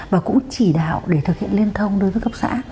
và cũng chỉ đạo để thực hiện liên thông đối với cấp xã